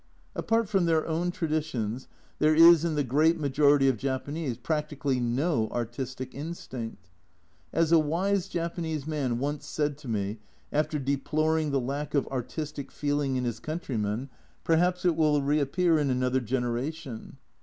Apart from their own traditions, there is in the great majority of Japanese practically no artistic instinct. As a wise Japanese man once said to me, after deploring the lack of artistic feeling in his countrymen, perhaps it will reappear in another generation.